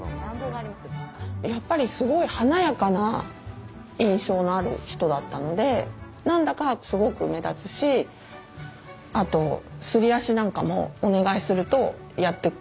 やっぱりすごい華やかな印象のある人だったので何だかすごく目立つしあとすり足なんかもお願いするとやってくれてたので。